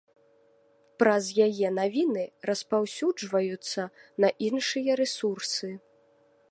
Праз яе навіны распаўсюджваюцца на іншыя рэсурсы.